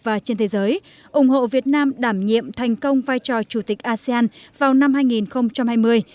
và trên thế giới ủng hộ việt nam đảm nhiệm thành công vai trò chủ tịch asean vào năm hai nghìn hai mươi